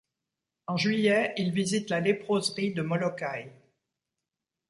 En juillet, il visite la léproserie de Molokai.